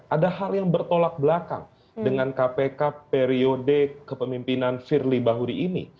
ada hal yang bertolak belakang dengan kpk periode kepemimpinan firly bahuri ini